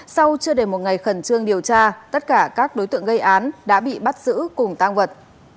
sau chưa đầy một ngày khẩn trương điều tra tất cả các đối tượng gây án đã bị bắt giữ cùng tăng vật